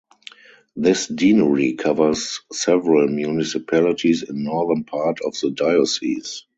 This deanery covers several municipalities in northern part of the diocese.